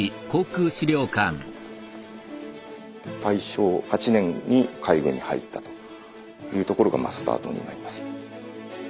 大正８年に海軍に入ったというところがスタートになります。